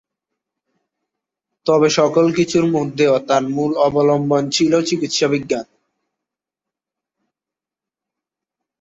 তবে সকল কিছুর মধ্যেও তাঁর মূল অবলম্বন ছিল চিকিৎসা বিজ্ঞান।